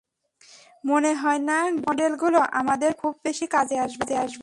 মনে হয় না গ্রিড মডেলগুলো আমাদের খুব বেশি কাজে আসবে।